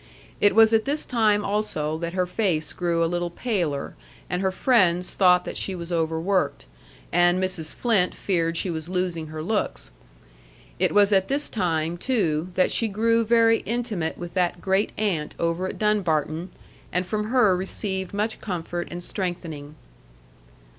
It was at this time also that her face grew a little paler, and her friends thought that she was overworked, and Mrs. Flynt feared she was losing her looks. It was at this time, too, that she grew very intimate with that great aunt over at Dunbarton, and from her received much comfort and strengthening.